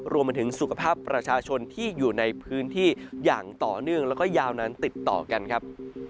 รวมถึงสุขภาพประชาชนที่อยู่ในพื้นที่อย่างต่อเนื่องแล้วก็ยาวนานติดต่อกันครับ